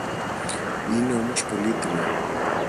Είναι όμως πολύτιμο.